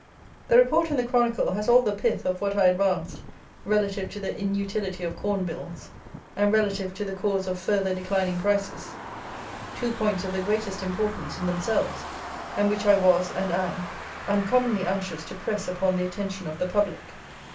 The report in the Chronicle has all the pith of what I advanced relative to the inutility of Corn Bills, and relative to the cause of further declining prices; two points of the greatest importance in themselves, and which I was, and am, uncommonly anxious to press upon the attention of the public.